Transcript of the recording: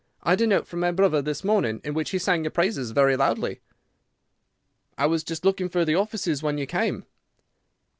I had a note from my brother this morning in which he sang your praises very loudly.' "'I was just looking for the offices when you came.